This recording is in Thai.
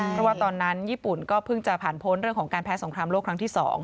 เพราะว่าตอนนั้นญี่ปุ่นก็เพิ่งจะผ่านพ้นเรื่องของการแพ้สงครามโลกครั้งที่๒